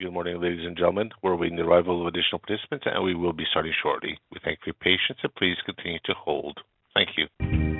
Good morning, ladies and gentlemen. We're awaiting the arrival of additional participants, and we will be starting shortly. We thank you for your patience, and please continue to hold. Thank you.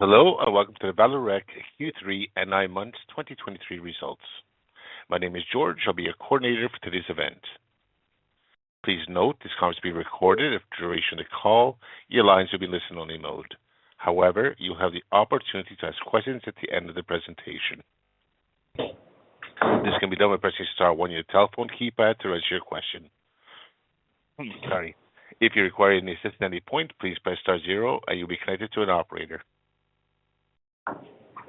Hello, and welcome to the Vallourec Q3 and Nine Months 2023 results. My name is George. I'll be your coordinator for today's event. Please note this call is being recorded. For the duration of the call, your lines will be in listen-only mode. However, you'll have the opportunity to ask questions at the end of the presentation. This can be done by pressing star one on your telephone keypad to register your question. Sorry. If you require any assistance at any point, please press star zero, and you'll be connected to an operator.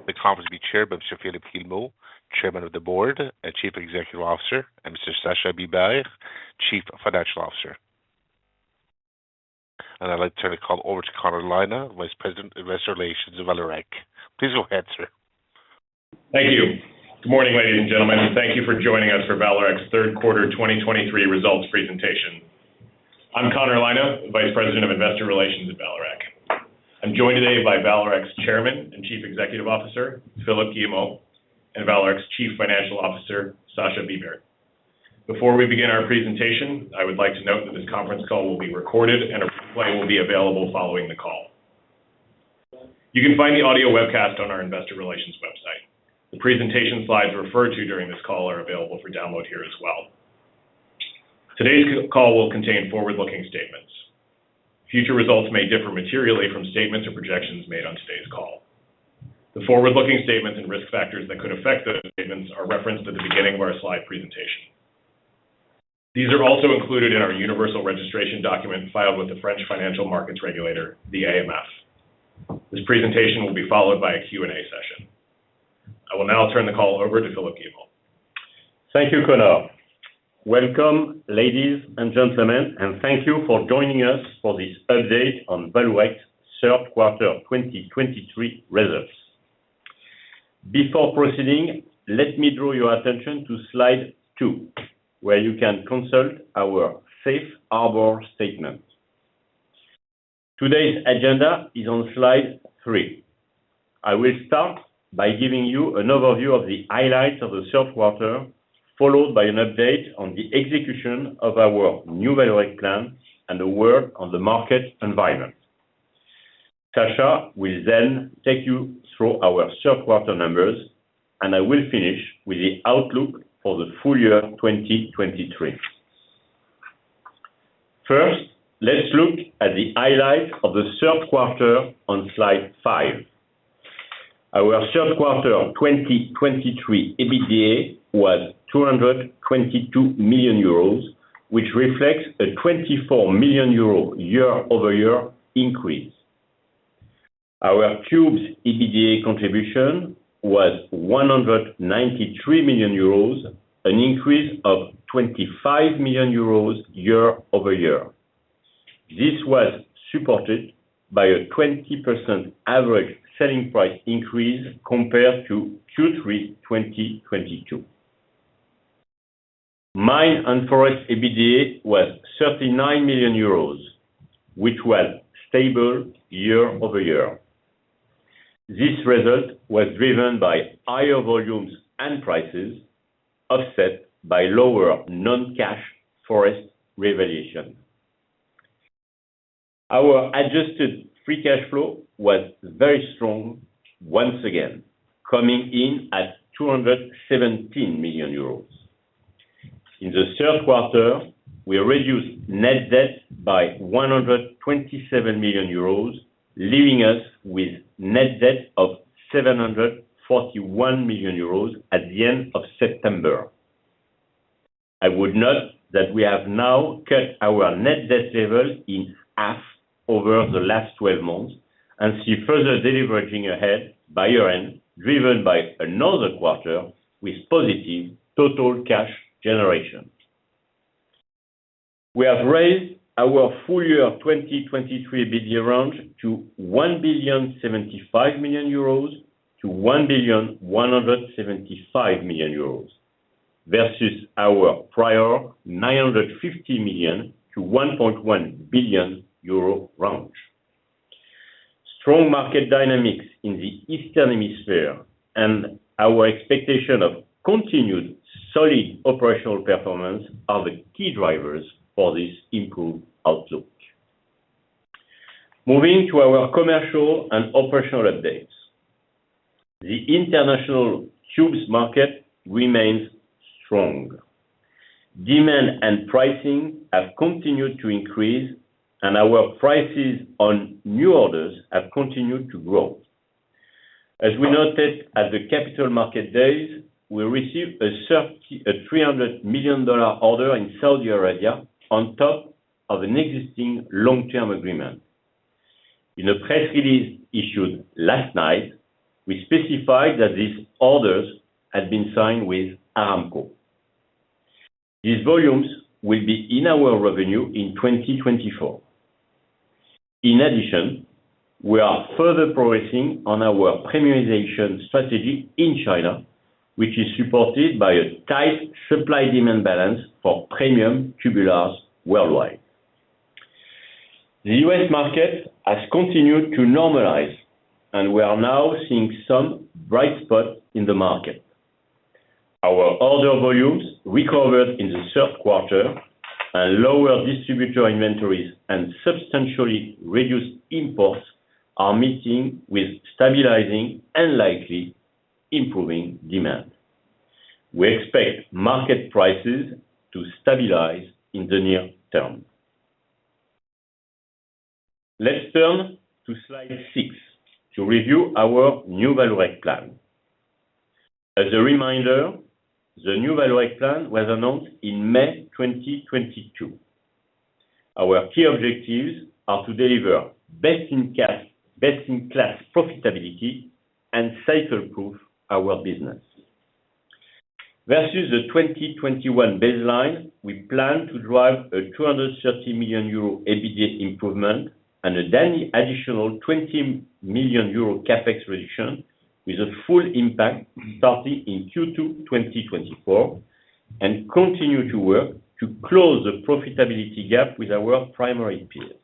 The conference will be chaired by Mr. Philippe Guillemot, Chairman of the Board and Chief Executive Officer, and Mr. Sascha Bibert, Chief Financial Officer. I'd like to turn the call over to Connor Lynagh, Vice President of Investor Relations of Vallourec. Please go ahead, sir. Thank you. Good morning, ladies and gentlemen, and thank you for joining us for Vallourec's third quarter 2023 results presentation. I'm Connor Lynagh, Vice President of Investor Relations at Vallourec. I'm joined today by Vallourec's Chairman and Chief Executive Officer, Philippe Guillemot, and Vallourec's Chief Financial Officer, Sascha Bibert. Before we begin our presentation, I would like to note that this conference call will be recorded and a replay will be available following the call. You can find the audio webcast on our investor relations website. The presentation slides referred to during this call are available for download here as well. Today's call will contain forward-looking statements. Future results may differ materially from statements or projections made on today's call. The forward-looking statements and risk factors that could affect those statements are referenced at the beginning of our slide presentation. These are also included in our universal registration document filed with the French financial markets regulator, the AMF. This presentation will be followed by a Q&A session. I will now turn the call over to Philippe Guillemot. Thank you, Connor. Welcome, ladies and gentlemen, and thank you for joining us for this update on Vallourec's third quarter 2023 results. Before proceeding, let me draw your attention to slide 2, where you can consult our safe harbor statement. Today's agenda is on slide 3. I will start by giving you an overview of the highlights of the third quarter, followed by an update on the execution of our New Vallourec Plan and the work on the market environment. Sascha will then take you through our third quarter numbers, and I will finish with the outlook for the full year 2023. First, let's look at the highlights of the third quarter on slide 5. Our third quarter of 2023 EBITDA was 222 million euros, which reflects a 24 million euro year-over-year increase. Our Tubes EBITDA contribution was 193 million euros, an increase of 25 million euros year-over-year. This was supported by a 20% average selling price increase compared to Q3 2022. Mines and Forests EBITDA was 39 million euros, which was stable year-over-year. This result was driven by higher volumes and prices, offset by lower non-cash forest revaluation. Our adjusted free cash flow was very strong once again, coming in at 217 million euros. In the third quarter, we reduced net debt by 127 million euros, leaving us with net debt of 741 million euros at the end of September. I would note that we have now cut our net debt level in half over the last 12 months and see further deleveraging ahead by year-end, driven by another quarter with positive total cash generation. We have raised our full year 2023 EBITDA range to 1.075 billion-1.175 billion euros versus our prior 950 million-1.1 billion euro range. Strong market dynamics in the Eastern Hemisphere, and our expectation of continued solid operational performance are the key drivers for this improved outlook. Moving to our commercial and operational updates. The international tubes market remains strong. Demand and pricing have continued to increase, and our prices on new orders have continued to grow. As we noted at the Capital Markets Day, we received a $300 million order in Saudi Arabia on top of an existing long-term agreement. In a press release issued last night, we specified that these orders had been signed with Aramco. These volumes will be in our revenue in 2024. In addition, we are further progressing on our premiumization strategy in China, which is supported by a tight supply-demand balance for premium tubulars worldwide. The U.S. market has continued to normalize, and we are now seeing some bright spots in the market. Our order volumes recovered in the third quarter, and lower distributor inventories and substantially reduced imports are meeting with stabilizing and likely improving demand. We expect market prices to stabilize in the near term. Let's turn to slide six to review our New Vallourec Plan. As a reminder, the New Vallourec Plan was announced in May 2022. Our key objectives are to deliver best-in-class, best-in-class profitability and cycle-proof our business. Versus the 2021 baseline, we plan to drive a 230 million euro EBITDA improvement and an additional 20 million euro CapEx reduction, with a full impact starting in Q2 2024, and continue to work to close the profitability gap with our primary peers.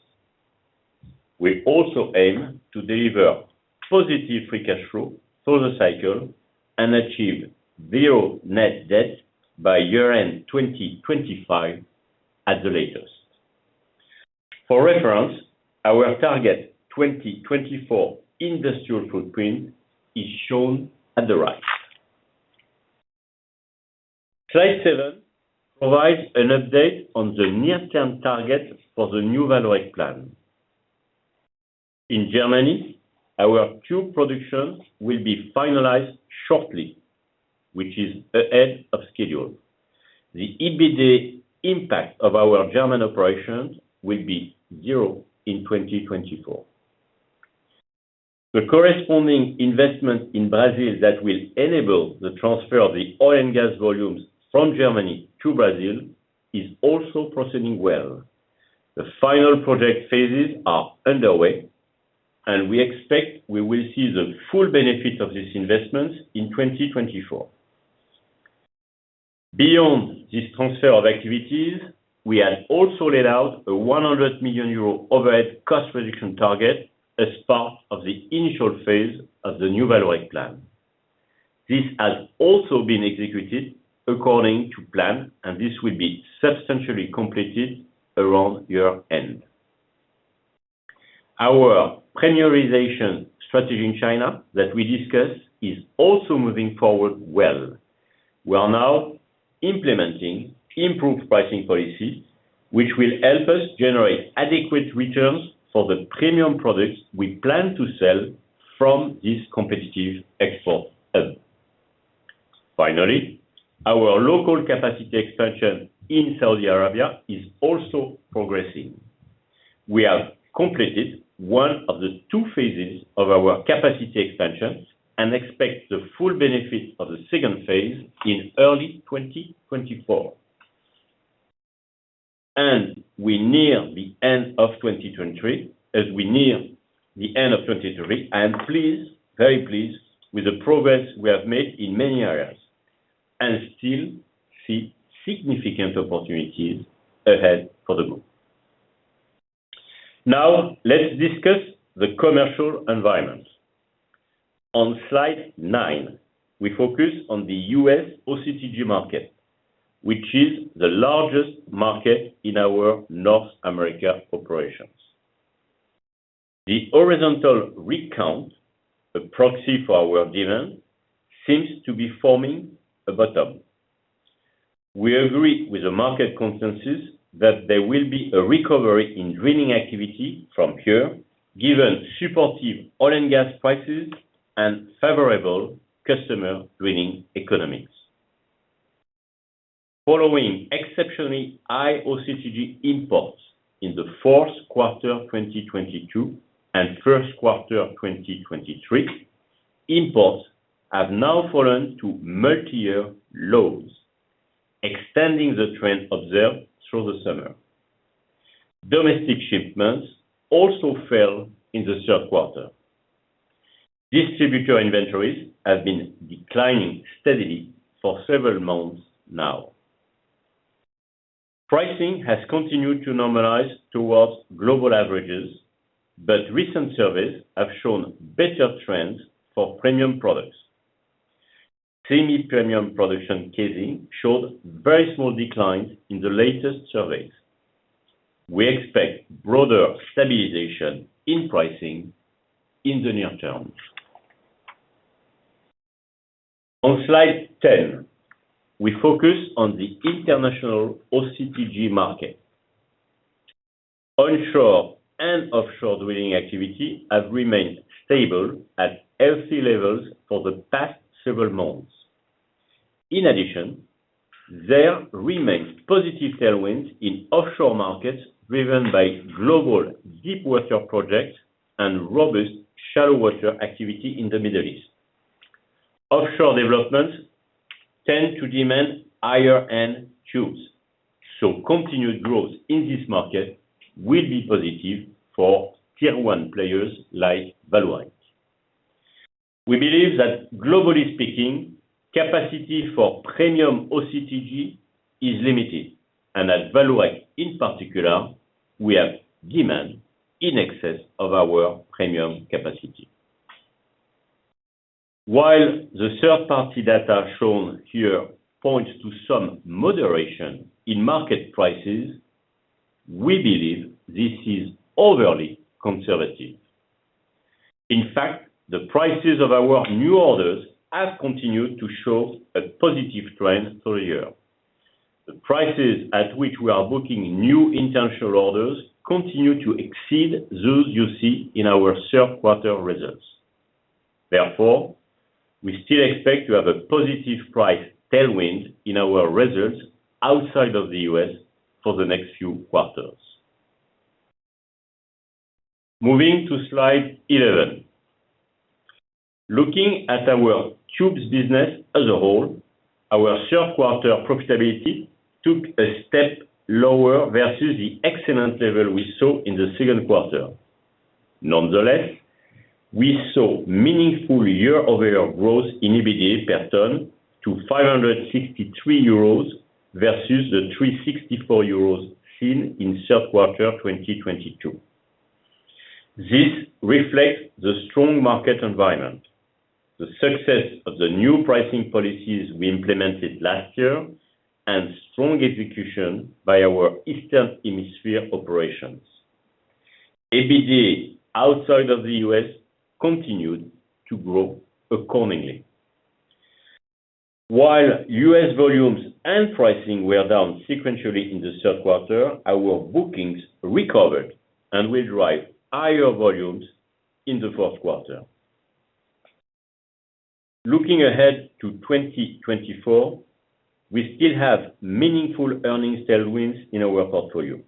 We also aim to deliver positive free cash flow through the cycle and achieve zero net debt by year-end 2025 at the latest. For reference, our target 2024 industrial footprint is shown at the right. Slide 7 provides an update on the near-term targets for the New Vallourec Plan. In Germany, our tube production will be finalized shortly, which is ahead of schedule. The EBITDA impact of our German operations will be zero in 2024. The corresponding investment in Brazil that will enable the transfer of the oil and gas volumes from Germany to Brazil is also proceeding well. The final project phases are underway, and we expect we will see the full benefit of this investment in 2024. Beyond this transfer of activities, we have also laid out a 100 million euro overhead cost reduction target as part of the initial phase of the New Vallourec Plan. This has also been executed according to plan, and this will be substantially completed around year-end. Our premiumization strategy in China that we discussed is also moving forward well... We are now implementing improved pricing policies, which will help us generate adequate returns for the premium products we plan to sell from this competitive export hub. Finally, our local capacity expansion in Saudi Arabia is also progressing. We have completed one of the two phases of our capacity expansions and expect the full benefit of the second phase in early 2024. And we near the end of 2023, as we near the end of 2023, I am pleased, very pleased with the progress we have made in many areas, and still see significant opportunities ahead for the group. Now, let's discuss the commercial environment. On slide 9, we focus on the U.S. OCTG market, which is the largest market in our North America operations. The horizontal rig count, a proxy for our demand, seems to be forming a bottom. We agree with the market consensus that there will be a recovery in drilling activity from here, given supportive oil and gas prices and favorable customer drilling economics. Following exceptionally high OCTG imports in the fourth quarter of 2022 and first quarter of 2023, imports have now fallen to multi-year lows, extending the trend observed through the summer. Domestic shipments also fell in the third quarter. Distributor inventories have been declining steadily for several months now. Pricing has continued to normalize towards global averages, but recent surveys have shown better trends for premium products. Semi-premium production casing showed very small declines in the latest surveys. We expect broader stabilization in pricing in the near term. On slide 10, we focus on the international OCTG market. Onshore and offshore drilling activity have remained stable at healthy levels for the past several months. In addition, there remains positive tailwinds in offshore markets, driven by global deep water projects and robust shallow water activity in the Middle East. Offshore development tend to demand higher-end tubes, so continued growth in this market will be positive for tier one players like Vallourec. We believe that globally speaking, capacity for premium OCTG is limited, and at Vallourec, in particular, we have demand in excess of our premium capacity. While the third-party data shown here points to some moderation in market prices, we believe this is overly conservative. In fact, the prices of our new orders have continued to show a positive trend through the year. The prices at which we are booking new international orders continue to exceed those you see in our third quarter results. Therefore, we still expect to have a positive price tailwind in our results outside of the U.S. for the next few quarters. Moving to slide 11. Looking at our tubes business as a whole, our third quarter profitability took a step lower versus the excellent level we saw in the second quarter. Nonetheless, we saw meaningful year-over-year growth in EBITDA per ton to 563 euros versus the 364 euros seen in third quarter 2022. This reflects the strong market environment, the success of the new pricing policies we implemented last year, and strong execution by our Eastern Hemisphere operations. EBITDA outside of the U.S. continued to grow accordingly. While U.S. volumes and pricing were down sequentially in the third quarter, our bookings recovered and will drive higher volumes in the fourth quarter. Looking ahead to 2024, we still have meaningful earnings tailwinds in our portfolio.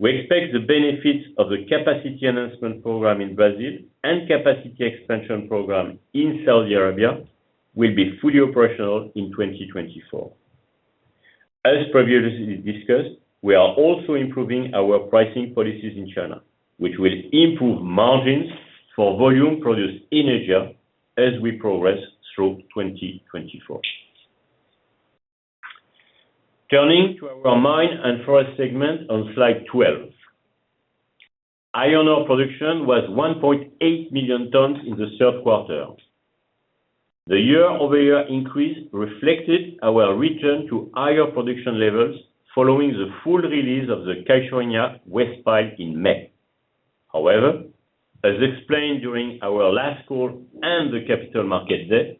We expect the benefits of the capacity enhancement program in Brazil and capacity expansion program in Saudi Arabia will be fully operational in 2024. As previously discussed, we are also improving our pricing policies in China, which will improve margins for volume produced in Asia as we progress through 2024. Turning to our mine and forest segment on slide 12. Iron ore production was 1.8 million tons in the third quarter. The year-over-year increase reflected our return to higher production levels following the full release of the Cachoeirinha waste pile in May.... However, as explained during our last call and the capital market day,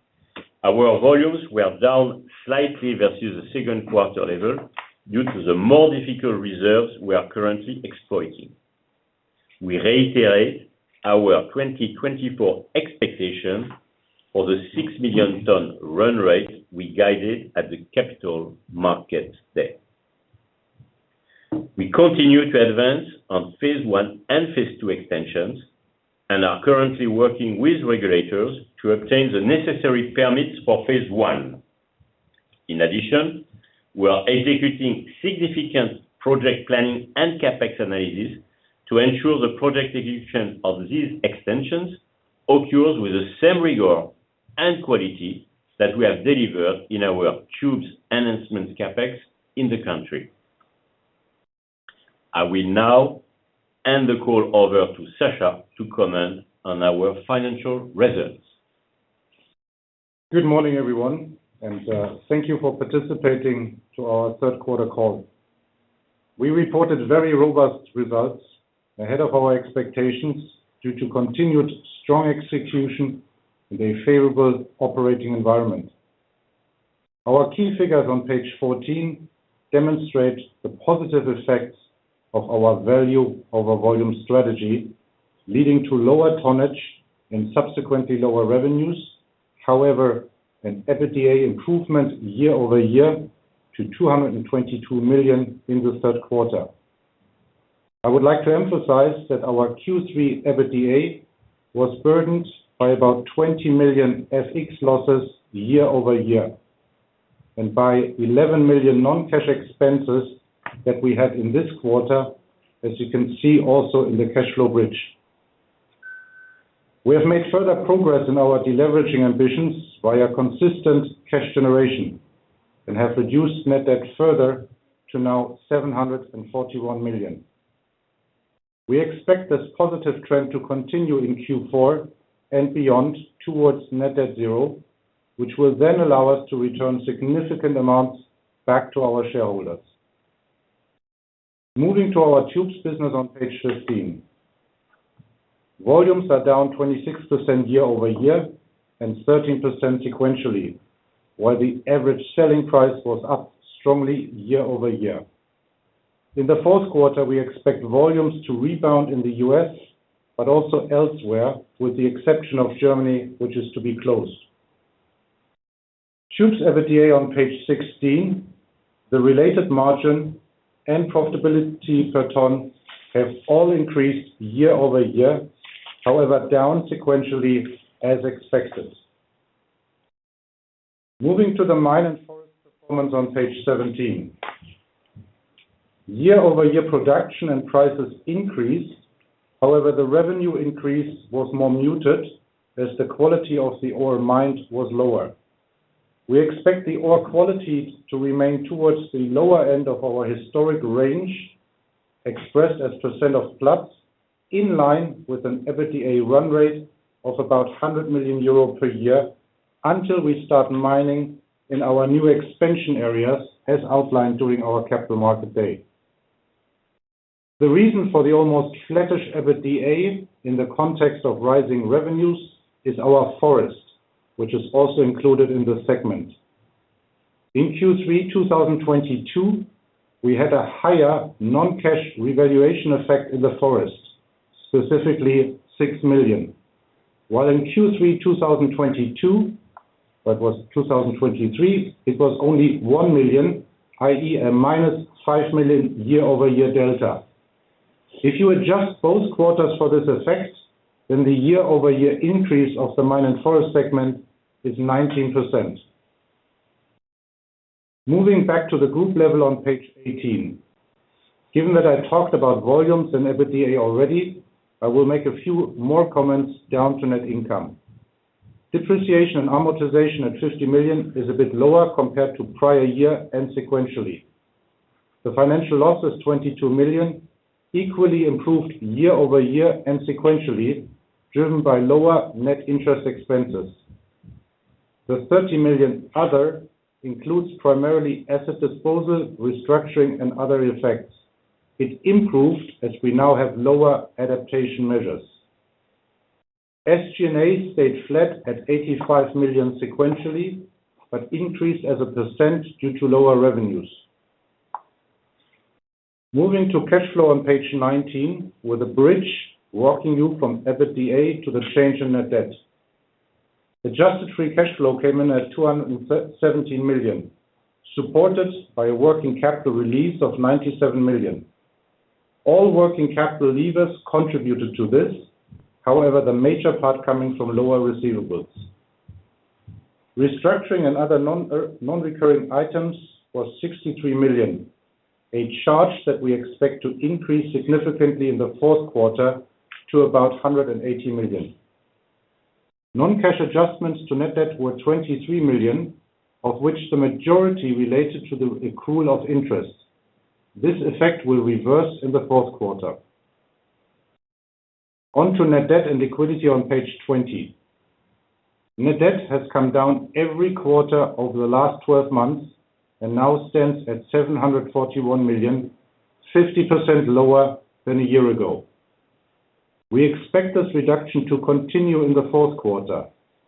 our volumes were down slightly versus the second quarter level due to the more difficult reserves we are currently exploiting. We reiterate our 2024 expectation for the 6 million ton run rate we guided at the Capital Market Day. We continue to advance on phase one and phase two extensions, and are currently working with regulators to obtain the necessary permits for phase one. In addition, we are executing significant project planning and CapEx analysis to ensure the project execution of these extensions occurs with the same rigor and quality that we have delivered in our tubes enhancements CapEx in the country. I will now hand the call over to Sascha to comment on our financial results. Good morning, everyone, and thank you for participating to our third quarter call. We reported very robust results ahead of our expectations, due to continued strong execution in a favorable operating environment. Our key figures on page 14 demonstrate the positive effects of our value over volume strategy, leading to lower tonnage and subsequently lower revenues. However, an EBITDA improvement year-over-year to 222 million in the third quarter. I would like to emphasize that our Q3 EBITDA was burdened by about 20 million FX losses year-over-year, and by 11 million non-cash expenses that we had in this quarter, as you can see also in the cash flow bridge. We have made further progress in our deleveraging ambitions via consistent cash generation, and have reduced net debt further to now 741 million. We expect this positive trend to continue in Q4 and beyond, towards net debt zero, which will then allow us to return significant amounts back to our shareholders. Moving to our tubes business on page 15. Volumes are down 26% year-over-year, and 13% sequentially, while the average selling price was up strongly year-over-year. In the fourth quarter, we expect volumes to rebound in the U.S., but also elsewhere, with the exception of Germany, which is to be closed. Tubes EBITDA on page 16, the related margin and profitability per ton have all increased year-over-year, however, down sequentially as expected. Moving to the mine and forest performance on page 17. Year-over-year production and prices increased, however, the revenue increase was more muted as the quality of the ore mined was lower. We expect the ore quality to remain towards the lower end of our historic range, expressed as percent of clubs, in line with an EBITDA run rate of about 100 million euro per year, until we start mining in our new expansion areas, as outlined during our Capital Market Day. The reason for the almost flattish EBITDA in the context of rising revenues is our forest, which is also included in the segment. In Q3 2022, we had a higher non-cash revaluation effect in the forest, specifically 6 million. While in Q3 2023, it was only 1 million, i.e., a -5 million year-over-year delta. If you adjust both quarters for this effect, then the year-over-year increase of the mine and forest segment is 19%. Moving back to the group level on page 18. Given that I talked about volumes and EBITDA already, I will make a few more comments down to net income. Depreciation and amortization at 50 million is a bit lower compared to prior year and sequentially. The financial loss is 22 million, equally improved year-over-year and sequentially, driven by lower net interest expenses. The 30 million other includes primarily asset disposal, restructuring, and other effects. It improved, as we now have lower adaptation measures. SG&A stayed flat at 85 million sequentially, but increased as a percent due to lower revenues. Moving to cash flow on page 19, with a bridge walking you from EBITDA to the change in net debt. Adjusted free cash flow came in at 217 million, supported by a working capital release of 97 million. All working capital levers contributed to this, however, the major part coming from lower receivables. Restructuring and other non-recurring items was 63 million, a charge that we expect to increase significantly in the fourth quarter to about 180 million. Non-cash adjustments to net debt were 23 million, of which the majority related to the accrual of interest. This effect will reverse in the fourth quarter. On to net debt and liquidity on page 20. Net debt has come down every quarter over the last twelve months and now stands at 741 million, 50% lower than a year ago. We expect this reduction to continue in the fourth quarter,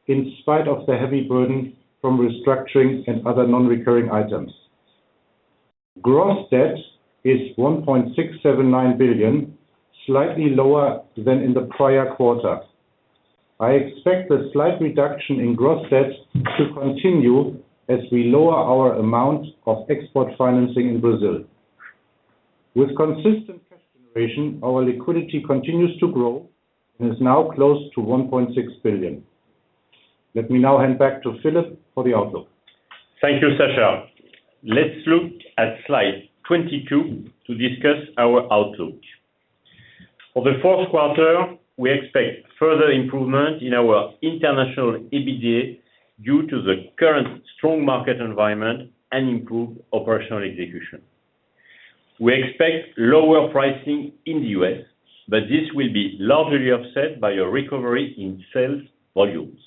in spite of the heavy burden from restructuring and other non-recurring items. Gross debt is 1.679 billion, slightly lower than in the prior quarter. I expect the slight reduction in gross debt to continue as we lower our amount of export financing in Brazil. With consistent cash generation, our liquidity continues to grow and is now close to 1.6 billion. Let me now hand back to Philippe for the outlook. Thank you, Sascha. Let's look at slide 22 to discuss our outlook. For the fourth quarter, we expect further improvement in our international EBITDA due to the current strong market environment and improved operational execution. We expect lower pricing in the U.S., but this will be largely offset by a recovery in sales volumes.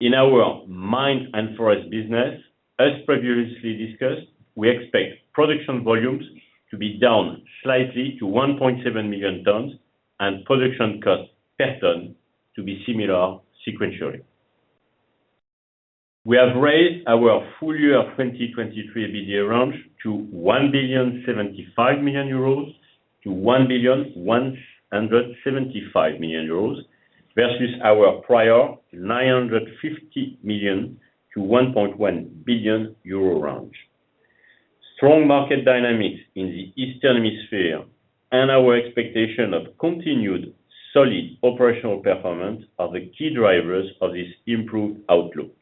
In our mines and forests business, as previously discussed, we expect production volumes to be down slightly to 1.7 million tons, and production costs per ton to be similar sequentially. We have raised our full year 2023 EBITDA range to 1.075 billion-1.175 billion euros, versus our prior 950 million-1.1 billion euro range. Strong market dynamics in the Eastern Hemisphere and our expectation of continued solid operational performance are the key drivers of this improved outlook.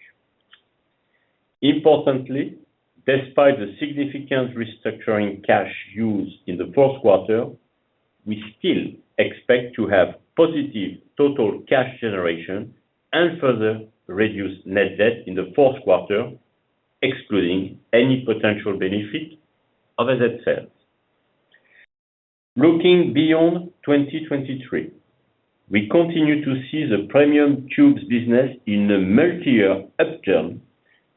Importantly, despite the significant restructuring cash used in the fourth quarter, we still expect to have positive total cash generation and further reduce net debt in the fourth quarter, excluding any potential benefit of asset sales. Looking beyond 2023, we continue to see the premium tubes business in a multi-year upturn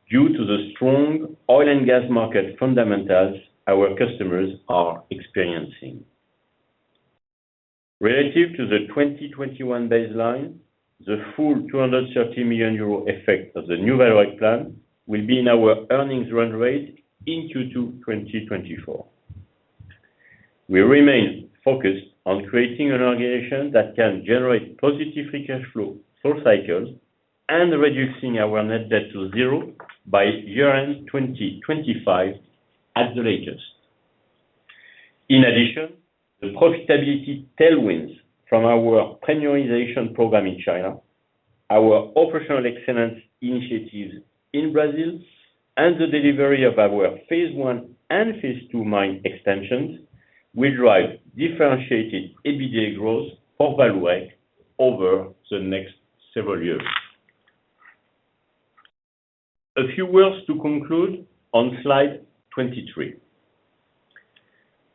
due to the strong oil and gas market fundamentals our customers are experiencing. Relative to the 2021 baseline, the full 230 million euro effect of the New Vallourec Plan will be in our earnings run rate into 2024. We remain focused on creating an organization that can generate positive free cash flow for cycles and reducing our net debt to zero by year-end 2025 at the latest. In addition, the profitability tailwinds from our premiumization program in China, our operational excellence initiatives in Brazil, and the delivery of our phase one and phase two mine extensions, will drive differentiated EBITDA growth for Vallourec over the next several years. A few words to conclude on slide 23.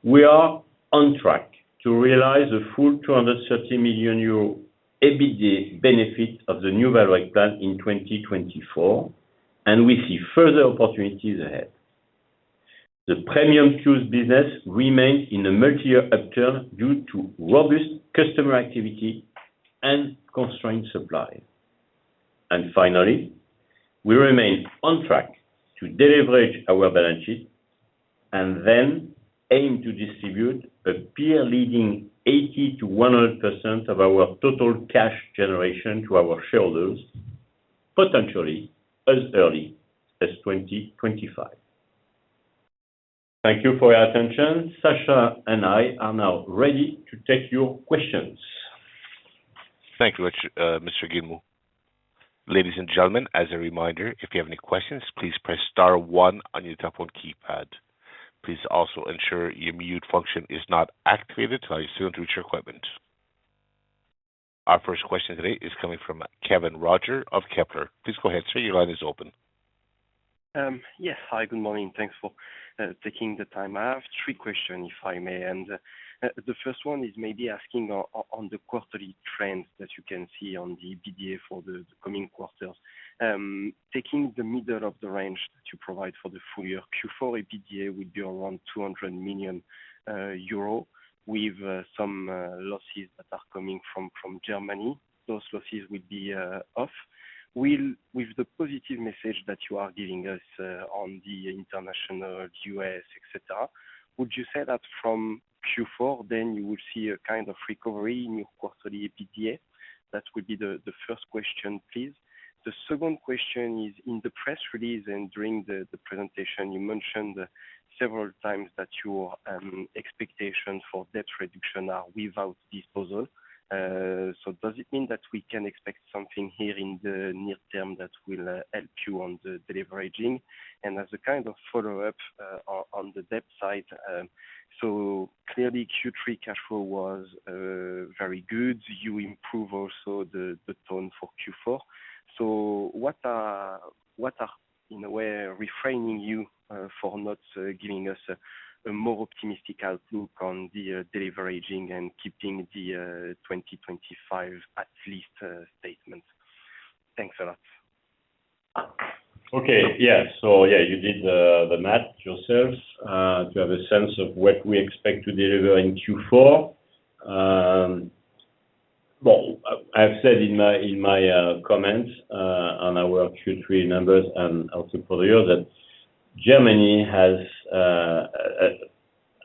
We are on track to realize a full 230 million euro EBITDA benefit of the new Vallourec plan in 2024, and we see further opportunities ahead. The premium tubes business remains in a multi-year upturn due to robust customer activity and constrained supply. And finally, we remain on track to deleverage our balance sheet and then aim to distribute a peer-leading 80%-100% of our total cash generation to our shareholders, potentially as early as 2025. Thank you for your attention. Sascha and I are now ready to take your questions. Thank you much, Mr. Guillemot. Ladies and gentlemen, as a reminder, if you have any questions, please press star one on your telephone keypad. Please also ensure your mute function is not activated until you soon reach your equipment. Our first question today is coming from Kevin Roger of Kepler. Please go ahead, sir. Your line is open. Yes. Hi, good morning. Thanks for taking the time. I have three questions, if I may, and the first one is maybe asking on the quarterly trends that you can see on the EBITDA for the coming quarters. Taking the middle of the range to provide for the full year, Q4 EBITDA would be around 200 million euro, with some losses that are coming from Germany. Those losses would be off. With the positive message that you are giving us on the international, U.S., et cetera, would you say that from Q4, then you will see a kind of recovery in your quarterly EBITDA? That would be the first question, please. The second question is: in the press release and during the presentation, you mentioned several times that your expectations for debt reduction are without disposal. So does it mean that we can expect something here in the near term that will help you on the deleveraging? And as a kind of follow-up, on the debt side, so clearly, Q3 cash flow was very good. You improve also the tone for Q4. What are, in a way, refraining you for not giving us a more optimistic outlook on the deleveraging and keeping the 2025 at least statement? Thanks a lot. Okay. Yeah. So yeah, you did the math yourselves to have a sense of what we expect to deliver in Q4. Well, I've said in my comments on our Q3 numbers and also for you, that Germany has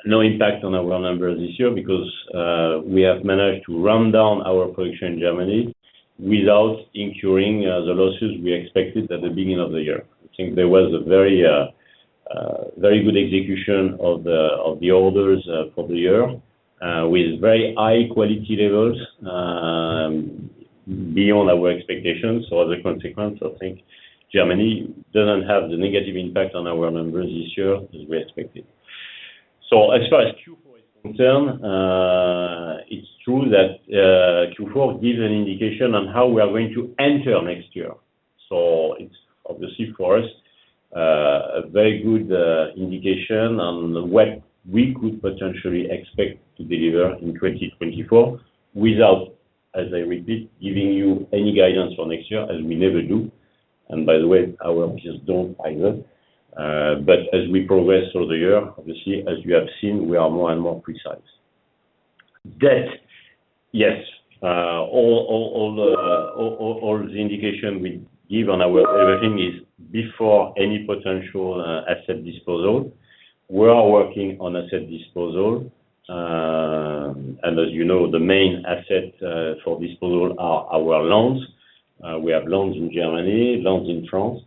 no impact on our numbers this year because we have managed to run down our production in Germany without incurring the losses we expected at the beginning of the year. I think there was a very very good execution of the orders for the year with very high quality levels beyond our expectations. So as a consequence, I think Germany doesn't have the negative impact on our numbers this year as we expected. As far as Q4 is concerned, it's true that Q4 gives an indication on how we are going to enter next year. So it's obviously for us a very good indication on what we could potentially expect to deliver in 2024, without, as I repeat, giving you any guidance for next year, as we never do, and by the way, our options don't either. But as we progress through the year, obviously, as you have seen, we are more and more precise. Debt, yes. All the indication we give on our everything is before any potential asset disposal. We are working on asset disposal, and as you know, the main asset for disposal are our loans. We have loans in Germany, loans in France.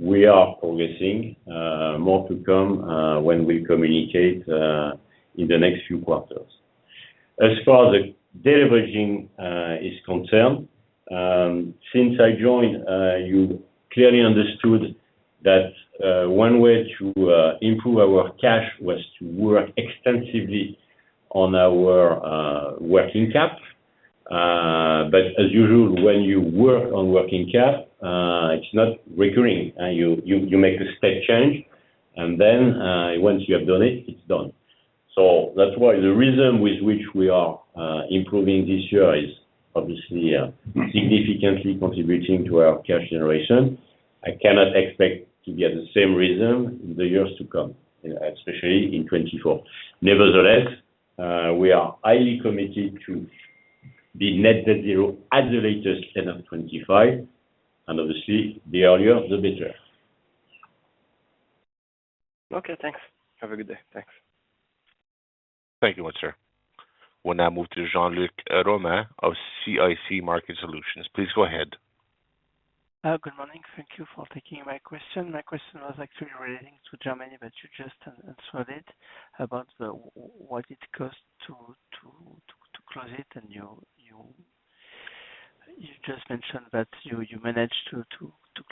We are progressing, more to come, when we communicate in the next few quarters. As far as the deleveraging is concerned, since I joined, you clearly understood that one way to improve our cash was to work extensively on our working cap. But as usual, when you work on working cap, it's not recurring, and you make a step change, and then once you have done it, it's done. So that's why the rhythm with which we are improving this year is obviously significantly contributing to our cash generation. I cannot expect to get the same rhythm in the years to come, especially in 2024. Nevertheless, we are highly committed to be net zero at the latest end of 2025, and obviously, the earlier, the better. Okay, thanks. Have a good day. Thanks. Thank you much, sir. We'll now move to Jean-Luc Romain of CIC Market Solutions. Please go ahead. Good morning. Thank you for taking my question. My question was actually relating to Germany, but you just answered it, about what it costs to close it, and you just mentioned that you managed to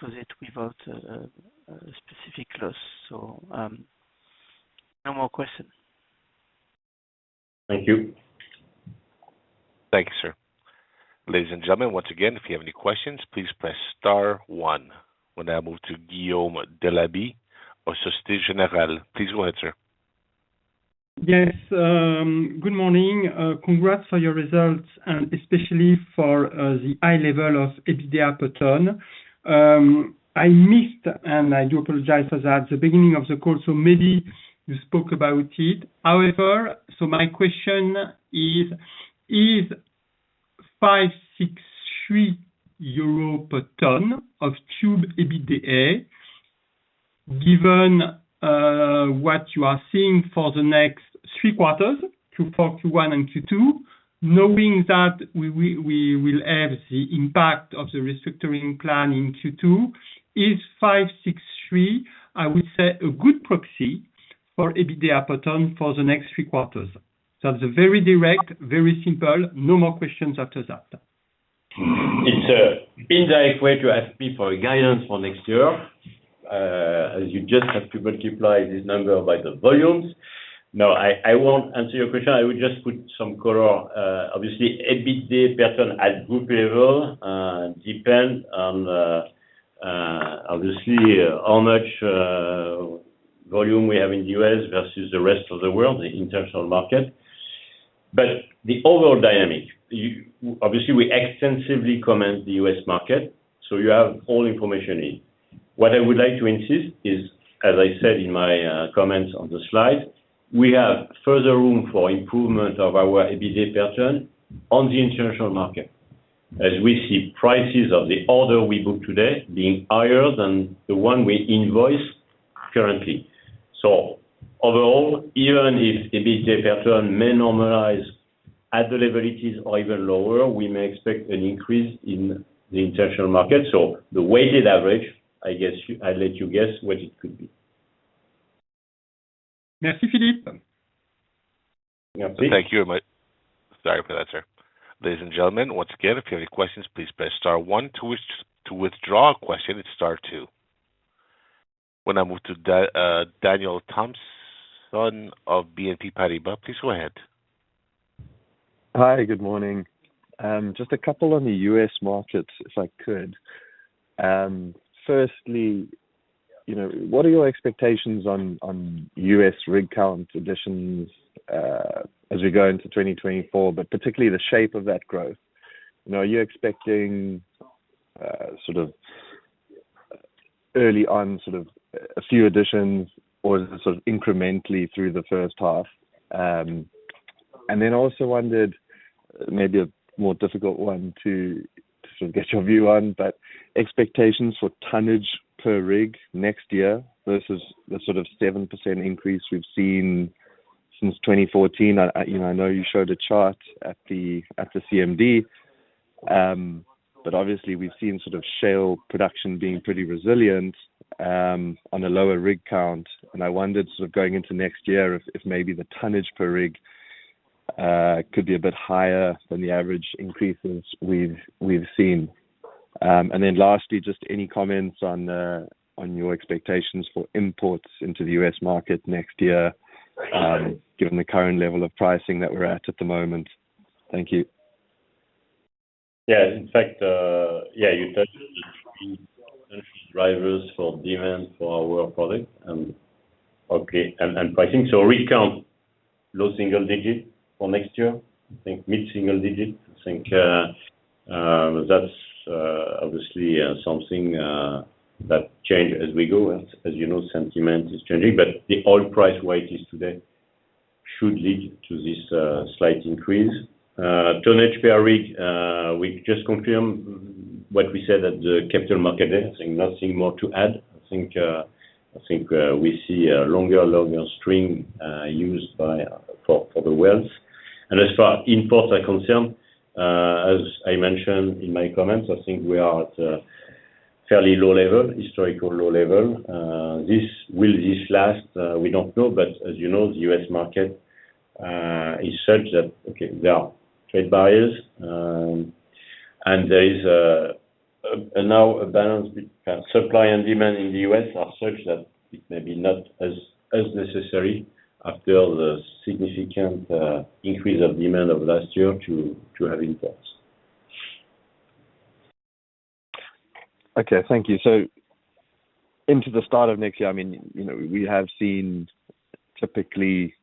close it without a specific loss. So, no more question. Thank you. Thank you, sir. Ladies and gentlemen, once again, if you have any questions, please press star one. We now move to Guillaume Delaby of Société Générale. Please go ahead, sir. Yes, good morning. Congrats for your results and especially for the high level of EBITDA per ton. I missed, and I do apologize for that, the beginning of the call, so maybe you spoke about it. However, my question is, is 563 euro per ton of tube EBITDA, given what you are seeing for the next three quarters, Q4, Q1, and Q2, knowing that we will have the impact of the restructuring plan in Q2, is 563, I would say, a good proxy for EBITDA per ton for the next three quarters? So that's a very direct, very simple, no more questions after that. It's an indirect way to ask me for guidance for next year, as you just have to multiply this number by the volumes. No, I won't answer your question. I would just put some color. Obviously, EBITDA per ton at group level depends on the obviously, how much volume we have in the U.S. versus the rest of the world, the international market. But the overall dynamic, you obviously, we extensively comment the U.S. market, so you have all information in. What I would like to insist is, as I said in my comments on the slide, we have further room for improvement of our EBITDA per ton on the international market, as we see prices of the order we book today being higher than the one we invoice currently. Overall, even if EBITDA per ton may normalize at the levels or even lower, we may expect an increase in the international market. The weighted average, I guess you—I let you guess what it could be. Merci, Philippe. Thank you very much. Sorry for that, sir. Ladies and gentlemen, once again, if you have any questions, please press star one. To withdraw a question, it's star two. We'll now move to Daniel Thomson of BNP Paribas. Please go ahead.... Hi, good morning. Just a couple on the U.S. markets, if I could. Firstly, you know, what are your expectations on U.S. rig count additions as we go into 2024, but particularly the shape of that growth? Now, are you expecting sort of early on, sort of a few additions, or is it sort of incrementally through the first half? And then also wondered, maybe a more difficult one to sort of get your view on, but expectations for tonnage per rig next year versus the sort of 7% increase we've seen since 2014. You know, I know you showed a chart at the CMD, but obviously we've seen sort of shale production being pretty resilient on a lower rig count. I wondered, sort of going into next year, if maybe the tonnage per rig could be a bit higher than the average increases we've seen. Lastly, just any comments on your expectations for imports into the U.S. market next year, given the current level of pricing that we're at the moment? Thank you. Yeah. In fact, yeah, you touched on the key drivers for demand for our product and okay, and, and pricing. So rig count, low single digit for next year. I think mid-single digit. I think that's obviously something that change as we go. As you know, sentiment is changing, but the oil price, where it is today, should lead to this slight increase. Tonnage per rig, we just confirmed what we said at the capital market day. I think nothing more to add. I think we see a longer stream used by for the wells. And as far as imports are concerned, as I mentioned in my comments, I think we are at a fairly low level, historical low level. Will this last? We don't know, but as you know, the U.S. market is such that, okay, there are trade buyers, and there is now a balance between supply and demand in the U.S. are such that it may be not as necessary after the significant increase of demand over last year to have imports. Okay. Thank you. So into the start of next year, I mean, you know, we have seen typically,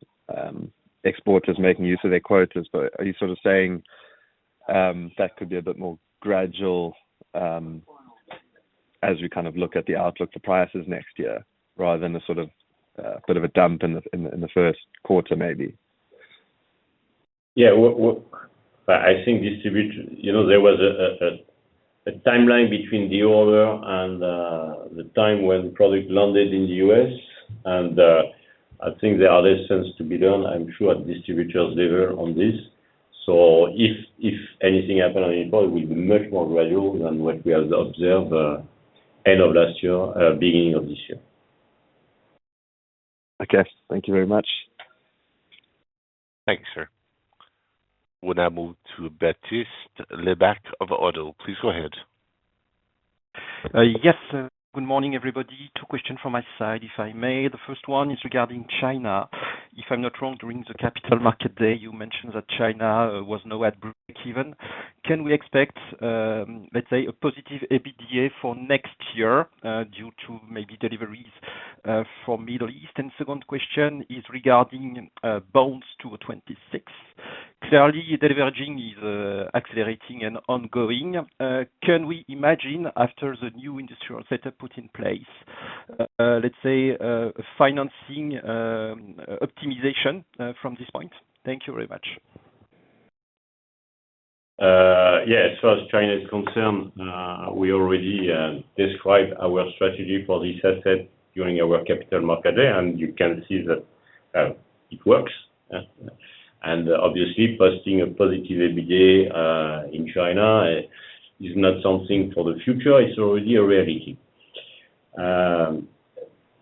exporters making use of their quotas, but are you sort of saying that could be a bit more gradual, as we kind of look at the outlook for prices next year, rather than a sort of bit of a dump in the first quarter, maybe? Yeah. I think distributors—you know, there was a timeline between the order and the time when product landed in the U.S., and I think there are lessons to be learned. I'm sure distributors learned on this. So if anything happen on import, it will be much more gradual than what we have observed end of last year, beginning of this year. Okay. Thank you very much. Thanks, sir. Would I move to Baptiste Lebacq of ODDO. Please go ahead. Yes, good morning, everybody. Two questions from my side, if I may. The first one is regarding China. If I'm not wrong, during the Capital Market Day, you mentioned that China was now at breakeven. Can we expect, let's say, a positive EBITDA for next year, due to maybe deliveries from Middle East? Second question is regarding bonds to 26. Clearly, diverging is accelerating and ongoing. Can we imagine after the new industrial setup put in place, let's say, a financing optimization from this point? Thank you very much. Yeah, as far as China is concerned, we already described our strategy for this asset during our capital market day, and you can see that it works. And obviously, posting a positive EBITDA in China is not something for the future, it's already a reality.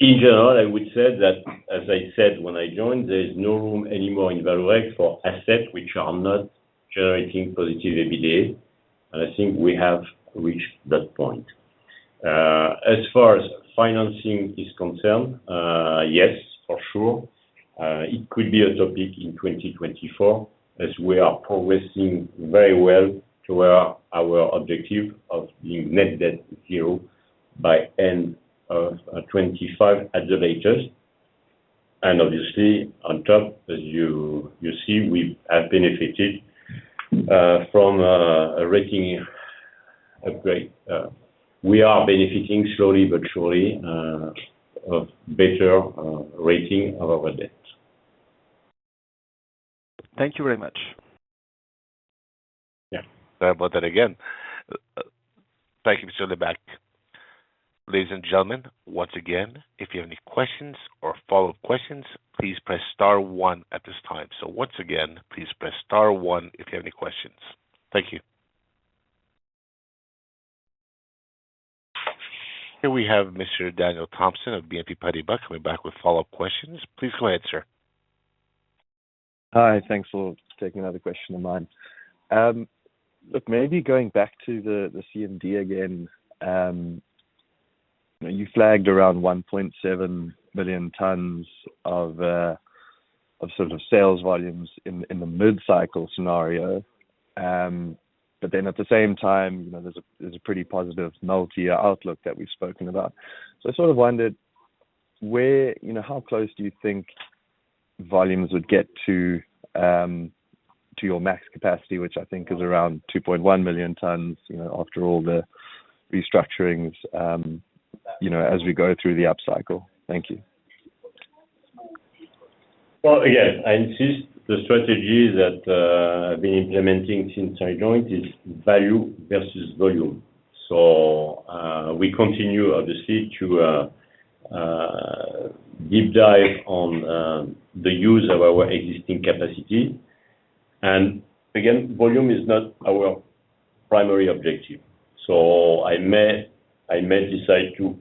In general, I would say that, as I said when I joined, there is no room anymore in Vallourec for assets which are not generating positive EBITDA, and I think we have reached that point. As far as financing is concerned, yes, for sure. It could be a topic in 2024, as we are progressing very well toward our objective of being net debt zero by end of 2025 at the latest. And obviously, on top, as you see, we have benefited from a rating upgrade. We are benefiting slowly but surely, a better rating of our debt. Thank you very much. Yeah. Sorry about that again. Thank you, Mr. Lebacq. Ladies and gentlemen, once again, if you have any questions or follow-up questions, please press star one at this time. So once again, please press star one if you have any questions. Thank you. Here we have Mr. Daniel Thompson of BNP Paribas coming back with follow-up questions. Please go ahead, sir. Hi, thanks for taking another question of mine. Look, maybe going back to the CMD again. You flagged around 1.7 billion tons of sort of sales volumes in the mid-cycle scenario. But then at the same time, you know, there's a pretty positive multi-year outlook that we've spoken about. So I sort of wondered where, you know, how close do you think volumes would get to your max capacity, which I think is around 2.1 million tons, you know, after all the restructurings as we go through the upcycle? Thank you. Well, yes, I insist the strategy that I've been implementing since I joined is value versus volume. So, we continue, obviously, to deep dive on the use of our existing capacity. And again, volume is not our primary objective, so I may, I may decide to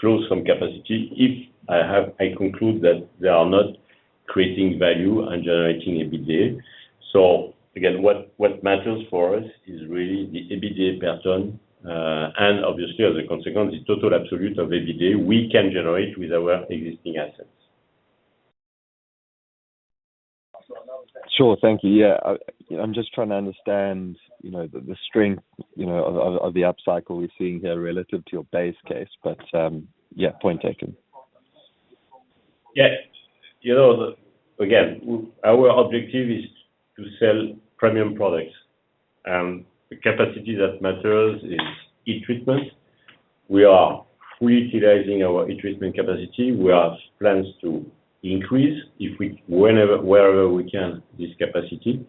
close some capacity if I have—I conclude that they are not creating value and generating EBITDA. So again, what, what matters for us is really the EBITDA per ton, and obviously, as a consequence, the total absolute of EBITDA we can generate with our existing assets. Sure. Thank you. Yeah. I'm just trying to understand, you know, the strength, you know, of the upcycle we're seeing here relative to your base case. But, yeah, point taken. Yeah. You know, again, our objective is to sell premium products, the capacity that matters is heat treatment. We are fully utilizing our heat treatment capacity. We have plans to increase, whenever, wherever we can, this capacity.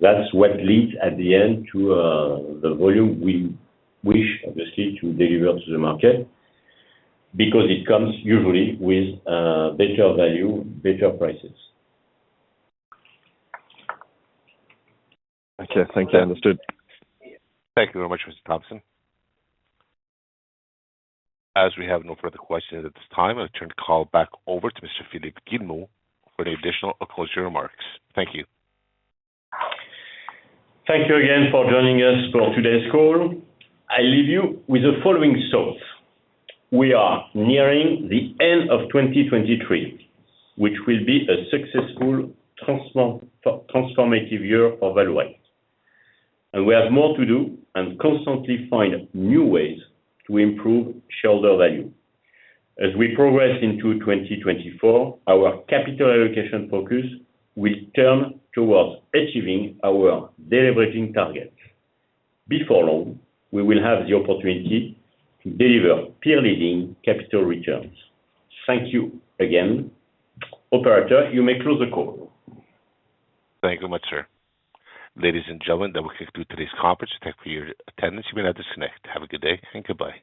That's what leads, at the end, to the volume we wish, obviously, to deliver to the market, because it comes usually with better value, better prices. Okay. Thank you. Understood. Thank you very much, Mr. Thompson. As we have no further questions at this time, I'll turn the call back over to Mr. Philippe Guillemot for the additional or closing remarks. Thank you. Thank you again for joining us for today's call. I leave you with the following thoughts: We are nearing the end of 2023, which will be a successful transformative year of Vallourec, and we have more to do and constantly find new ways to improve shareholder value. As we progress into 2024, our capital allocation focus will turn towards achieving our deleveraging targets. Before long, we will have the opportunity to deliver peer-leading capital returns. Thank you again. Operator, you may close the call. Thank you very much, sir. Ladies and gentlemen, that will conclude today's conference. Thank you for your attendance. You may now disconnect. Have a good day, and goodbye.